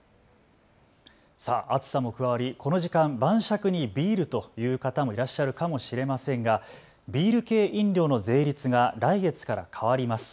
さあ暑さも加わりこの時間、晩酌にビールという方もいらっしゃるかもしれませんがビール系飲料の税率が来月から変わります。